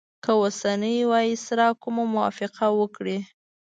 که اوسنی وایسرا کومه موافقه وکړي.